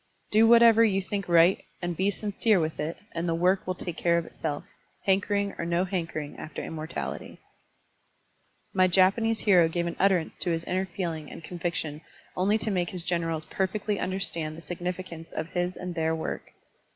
Do whatever you think right and be sincere with it and the work will take care of itself, liankering or no hankering after immortality. Digitized by Google 174 SERMONS OF A BUDDHIST ABBOT My Japanese hero gave an utterance to his inner feeling and conviction only to make his generals perfectly understand the significance of his and their work.